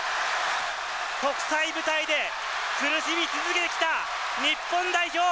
国際舞台で苦しみ続けてきた日本代表。